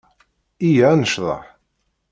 Iyya ad necḍeḥ.